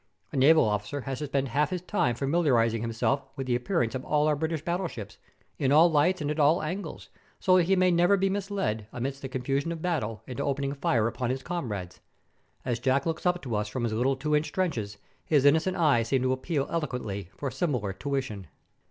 A naval officer has to spend half his time familiarizing himself with the appearance of all our British battleships, in all lights and at all angles, so that he may never be misled, amidst the confusion of battle, into opening fire upon his comrades. As Jack looks up to us from his little two inch trenches, his innocent eyes seem to appeal eloquently for similar tuition.